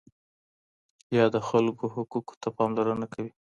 يا د خلکو حقوقو ته پاملرنه کوي،